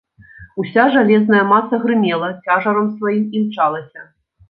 Уся жалезная маса грымела, цяжарам сваім імчалася.